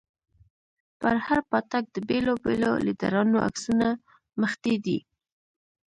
پر هر پاټک د بېلو بېلو ليډرانو عکسونه مښتي دي.